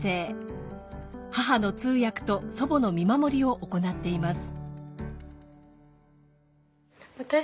母の通訳と祖母の見守りを行っています。